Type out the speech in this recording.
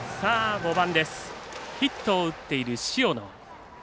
５番ですヒットを打っている塩野。